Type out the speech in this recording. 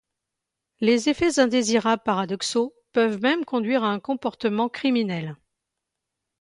Les effets indésirables paradoxaux peuvent même conduire à un comportement criminel.